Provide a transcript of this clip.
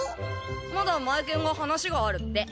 まだマエケンが話があるって。